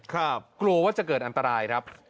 กลัวว่าจะเกิดอันตรายครับ